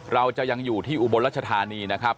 เราจะยังอยู่ที่อุบลรัชธานีนะครับ